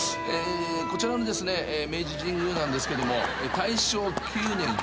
こちらのですね明治神宮なんですけども大正９年１１月に。